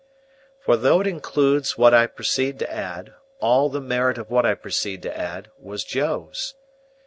For, though it includes what I proceed to add, all the merit of what I proceed to add was Joe's.